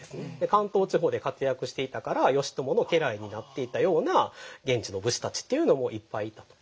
関東地方で活躍していたから義朝の家来になっていたような現地の武士たちっていうのもいっぱいいたと。